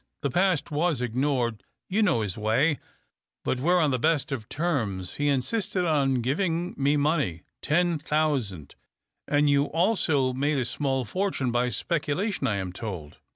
The past was ignored — you know his way. But we are on the best of terms. He insisted on giving me money — ten thousand." " And you also made a small fortune by speculation, I am told."